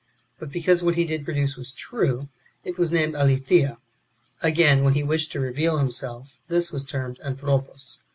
But because what he did produce was true, it was named Aletheia. Again, when he wished to reveal himself, this was termed Anthropos.